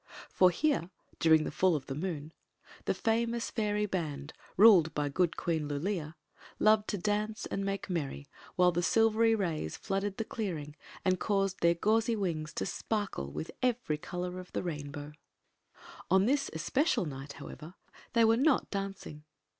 For here, during the full of t moon, the femous fairy band, ruled by good Queen Lulea, bved to dance and make merry while the silvery rays flooded the clearing and caused their gauzy wings to sparkle with every color of the rainbow. # Queen Zixi of Ix ; or, the On this especial night, however, they were not dancing.